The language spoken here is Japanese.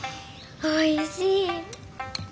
おいしい。